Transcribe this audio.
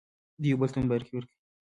دوی یو بل ته مبارکي ورکوي.